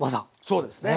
そうですね。